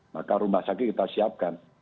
maka rumah sakit kita siapkan